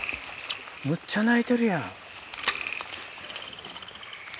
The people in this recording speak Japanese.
むっちゃ鳴いてるやん。